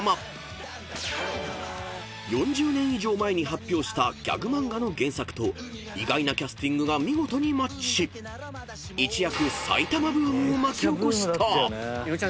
［４０年以上前に発表したギャグ漫画の原作と意外なキャスティングが見事にマッチし一躍］